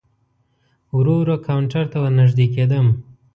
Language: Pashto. ورو ورو کاونټر ته ور نږدې کېدم.